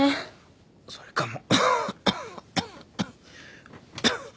それかも。